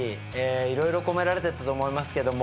いろいろ込められてたと思いますけども。